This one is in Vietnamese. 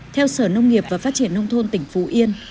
theo sở nông nghiệp và phát triển nông thôn tỉnh phú yên